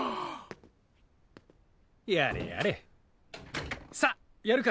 やれやれさっやるか！